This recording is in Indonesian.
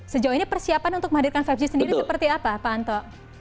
sejauh ini persiapan untuk menghadirkan lima g sendiri seperti apa pak anto